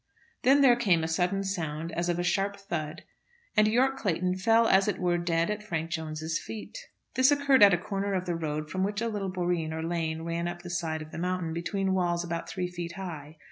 Then there came a sudden sound as of a sharp thud, and Yorke Clayton fell as it were dead at Frank Jones's feet. This occurred at a corner of the road, from which a little boreen or lane ran up the side of the mountain between walls about three feet high.